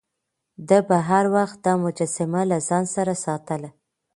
ده به هر وخت دا مجسمه له ځان سره ساتله.